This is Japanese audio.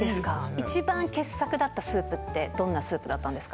一番傑作だったスープってどんなスープだったんですか？